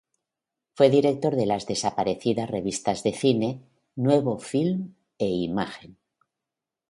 Fue director de las desaparecidas revistas de cine "Nuevo Film" e "Imagen.